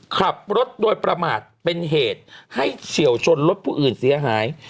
ขับรถโดยประมาทเป็นเหตุให้เฉียวชนรถผู้อื่นเสียหาย